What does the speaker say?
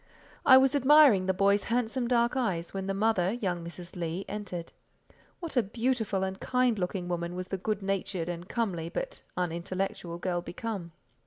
I was admiring the boy's handsome dark eyes, when the mother, young Mrs. Leigh, entered. What a beautiful and kind looking woman was the good natured and comely, but unintellectual, girl become!